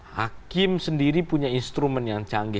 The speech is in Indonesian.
hakim sendiri punya instrumen yang canggih